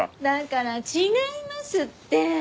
だから違いますって！